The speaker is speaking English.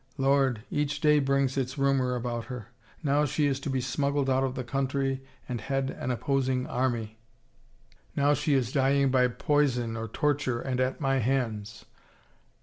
" Lord, each day brings its rumor about her. Now she is to be smug gled out of the country and head an opposing army — now is she dying by poison or torture and at my hands